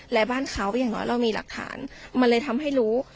และบ้านเขาก็อย่างน้อยเรามีหลักฐานมันเลยทำให้รู้